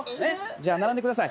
じゃあ並んでください。